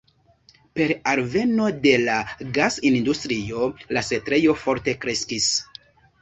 Per alveno de la gas-industrio, la setlejo forte kreskis.